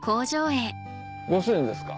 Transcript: ご主人ですか？